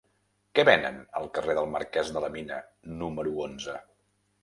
Què venen al carrer del Marquès de la Mina número onze?